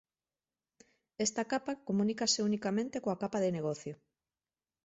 Esta capa comunícase unicamente coa capa de negocio.